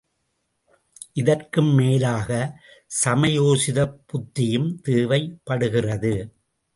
இதற்கும் மேலாக சமயோசிதப் புத்தியும் தேவைப் படுகிறது.